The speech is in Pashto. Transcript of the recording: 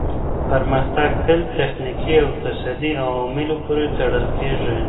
پرمختګ تل تخنیکي او اقتصادي عواملو پوري تړل کیږي.